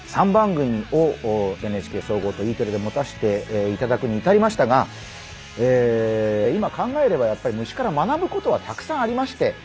３番組をＮＨＫ総合とＥテレで持たせていただくに至りましたが今考えればやっぱり虫から学ぶことはたくさんありまして